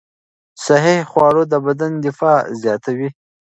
صحي خواړه د بدن دفاع زیاتوي.